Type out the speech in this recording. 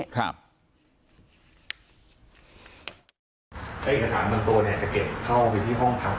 แล้วเอกสารบางตัวจะเก็บเข้าไปที่ห้องพัก